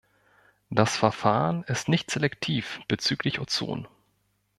Das Verfahren ist nicht selektiv bezüglich Ozon.